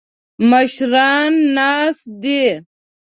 مشران ناست دي.